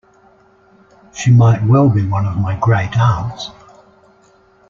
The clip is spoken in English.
She might well be one of my great aunts.